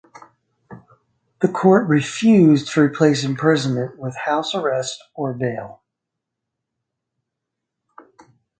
The court refused to replace imprisonment with house arrest or bail.